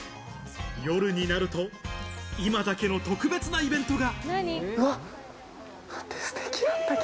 夜になると今だけの特別なイベントが。